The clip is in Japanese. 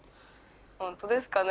ホントですかね？